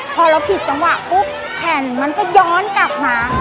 พอเราผิดจังหวะปุ๊บแผ่นมันก็ย้อนกลับมา